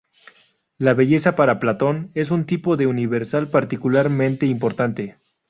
La belleza para Platón es un tipo de universal particularmente importante.